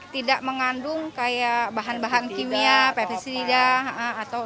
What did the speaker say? tidak mengandung kayak bahan bahan kimia pepsi tidak